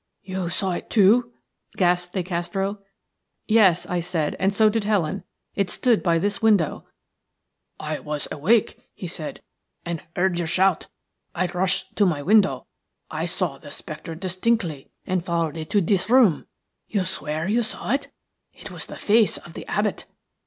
"You saw it too?" gasped De Castro. "Yes," I said, "and so did Helen. It stood by this window." "I was awake," he said, "and heard your shout. I rushed to my window; I saw the spectre distinctly, and followed it to this room. You swear you saw it? It was the face of the abbot."